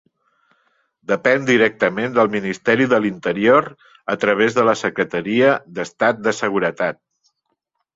Depèn directament del Ministeri de l'Interior a través de la Secretaria d'Estat de Seguretat.